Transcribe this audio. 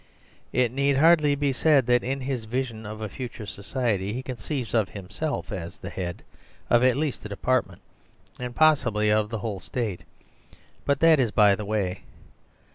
(It need hardly be said that in his vision of a future society he conceives of himself as the head of at least a department and pos sibly of the whole State but that is by the way.)